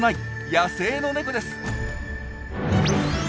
野生のネコです。